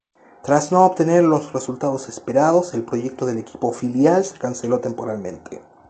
Tras no obtener los resultados esperados el proyecto del equipo filial se canceló temporalmente.